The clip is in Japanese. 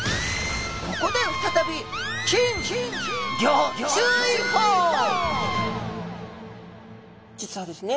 ここで再び実はですね